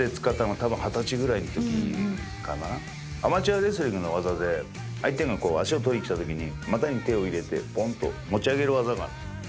アマチュアレスリングの技で相手が脚を取りにきた時に股に手を入れてボン！と持ち上げる技が。